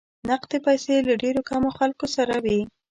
نقدې پیسې له ډېرو کمو خلکو سره وې.